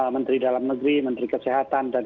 menteri dalam negeri menteri kesehatan dan